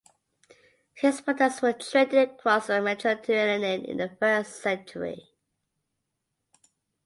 His products were traded across the Mediterranean in the first century.